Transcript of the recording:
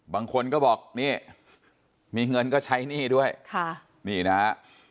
บางคนก็บอกนี่มีเงินก็ใช้หนี้ด้วยค่ะนี่นะฮะ